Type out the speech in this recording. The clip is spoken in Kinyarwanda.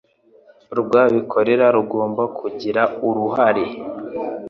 rw abikorera rugomba kugira uruhare